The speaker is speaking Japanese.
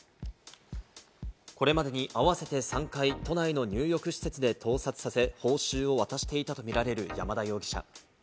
これまでに合わせて３回、都内の入浴施設で盗撮させ、報酬を渡していたとみられる山田容疑者。